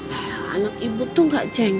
el anak ibu tuh gak cengeng kok